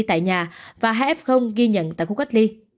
tại nhà và hai f ghi nhận tại khu cách ly